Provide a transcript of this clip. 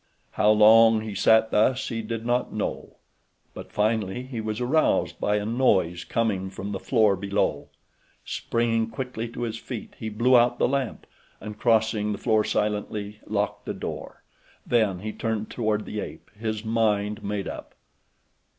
How long he sat thus he did not know; but finally he was aroused by a noise coming from the floor below. Springing quickly to his feet he blew out the lamp, and crossing the floor silently locked the door. Then he turned toward the ape, his mind made up.